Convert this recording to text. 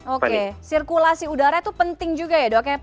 oke sirkulasi udara itu penting juga ya dok ya